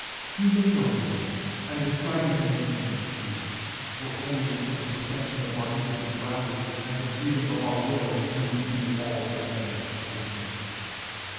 He made our wills, and is striving to make them free; for only in the perfection of our individuality and the freedom of our wills call we be altogether his children.